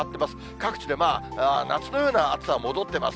各地で夏のような暑さ戻ってます。